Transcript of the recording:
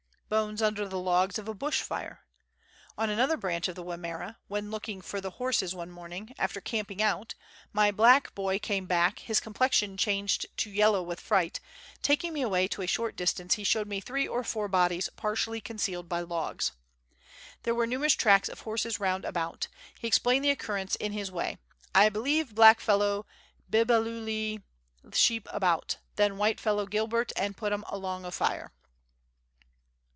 Bones under the Logs of a Bush Fire. On another branch of the Wimmera, when looking for the horses one morning, after camping out, my black boy came back, his complexion changed to yellow Avith fright ; taking me away to a short distance, he showed me three or four bodies, partially concealed by logs. There were numerous tracks of horses round about. He explained the occurrence in his way "I believe blackfellow bimbulalee sheep all about. Then whitefellow gilbert and put 'em along o' fire."